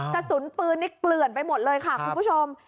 กระสุนปืนนี่เกลื่อนไปหมดเลยค่ะคุณผู้ชม